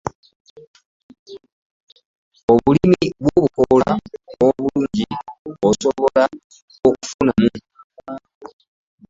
Obulimi bw'obukola obulungi osobola okufunamu.